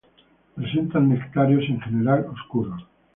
Presentan nectarios, en general oscuros.